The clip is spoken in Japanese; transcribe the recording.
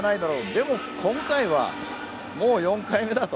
でも今回はもう４回目だと。